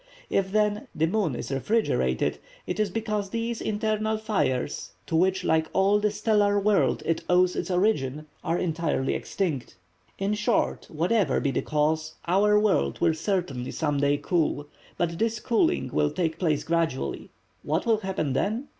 If then, the moon is refrigerated, it is because these internal fires, to which like all the stellar world it owes its origin, are entirely extinct. In short, whatever be the cause, our world will certainly some day cool; but this cooling will take place gradually. What will happen then?